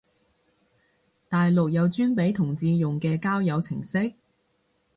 大陸有專俾同志用嘅交友程式？